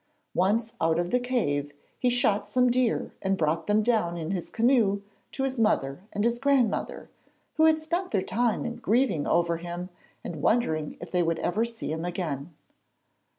Once out of the cave he shot some deer and brought them down in his canoe to his mother and his grandmother, who had spent their time in grieving over him and wondering if they would ever see him again.